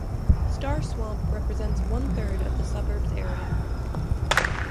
Star Swamp represents one-third of the suburb's area.